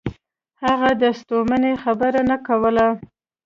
هغه د ستومنۍ خبره نه کوله.